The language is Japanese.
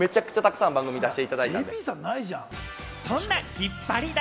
そんな引っ張りだ